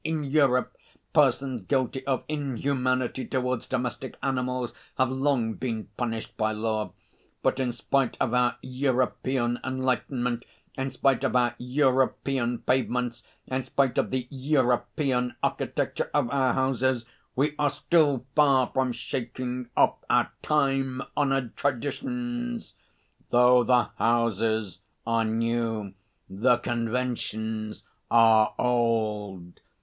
In Europe persons guilty of inhumanity towards domestic animals have long been punished by law. But in spite of our European enlightenment, in spite of our European pavements, in spite of the European architecture of our houses, we are still far from shaking off our time honoured traditions. "Though the houses are new, the conventions are old."